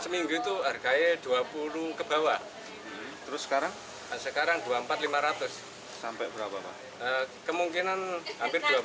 seminggu itu harganya dua puluh kebawah terus sekarang sekarang dua puluh empat ribu lima ratus sampai berapa kemungkinan hampir dua puluh lima